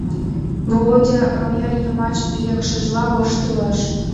— Володя рояль йымач лекшыжла воштылеш.